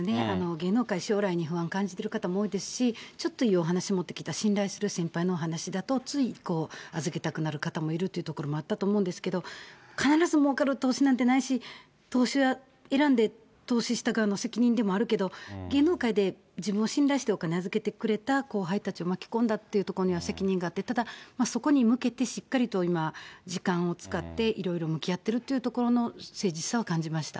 芸能界、将来に不安を感じている方も多いですし、ちょっといいお話持ってきたら、信頼する先輩のお話しだと、つい預けたくなる方もいるとはあったと思うんですけど、必ずもうかる投資なんてないし、投資は選んで投資した側の責任でもあるけど、芸能界で自分を信頼してお金を預けてくれた後輩たちを巻き込んだというところには責任があって、ただそこに向けて、しっかり今、時間を使って、いろいろ向き合っているところの誠実さは感じました。